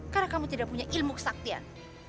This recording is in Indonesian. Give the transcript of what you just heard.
karena kamu tidak punya ilmu kesaktian